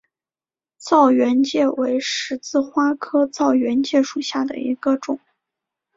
燥原荠为十字花科燥原荠属下的一个种。